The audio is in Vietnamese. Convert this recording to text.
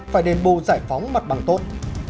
phải đền bù giải phóng mặt bằng tốt